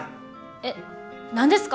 え何ですか？